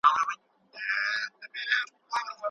تاسو باید تل خپله داستاني اثر په دقت وڅېړئ.